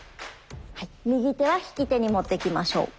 はい右手は引き手にもってきましょう。